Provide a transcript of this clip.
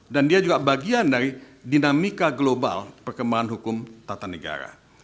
dan dia juga bagian dari dinamika global perkembangan hukum tata negara